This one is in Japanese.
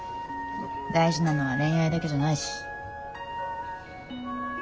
大事なのは恋愛だけじゃないし。